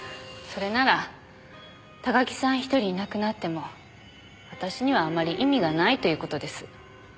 それなら高木さん一人いなくなっても私にはあまり意味がないという事です。